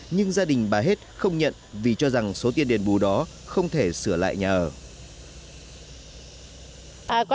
nhưng gia đình bà hết không nhận vì cho rằng số tiền đền bù đó không thể sửa lại nhà ở